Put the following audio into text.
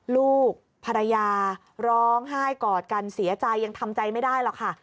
ลูกภรรยาร้องไห้กอดกันเสียใจยังทำใจไม่ได้หรอกค่ะ